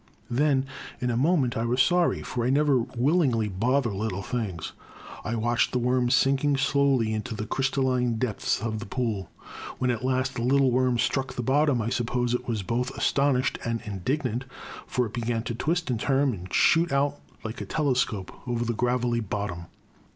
Then, in a moment, I was sorry, for I never willingly bother little things. I watched the worm sinking slowly into the crystalline depths of the pool. When at last the little worm struck the bottom I suppose it was both astonished and indignant for it began to twist and turn and shoot out like a telescope over the gravelly bottom.